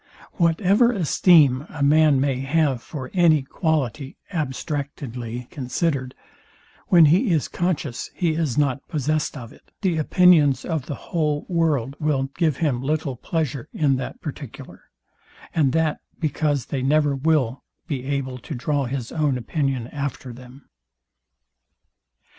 Whatever esteem a man may have for any quality, abstractedly considered; when he is conscious he is not possest of it; the opinions of the whole world will give him little pleasure in that particular, and that because they never will be able to draw his own opinion after them.